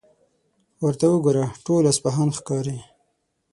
ورته وګوره، ټول اصفهان ښکاري.